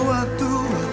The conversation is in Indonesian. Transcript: aku akan pergi